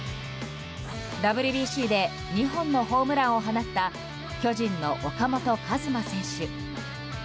ＷＢＣで２本のホームランを放った巨人の岡本和真選手。